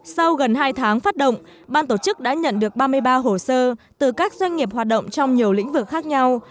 sau gần hai tháng phát động ban tổ chức đã nhận được ba mươi ba hồ sơ từ các doanh nghiệp hoạt động trong nhiều lĩnh vực khác nhau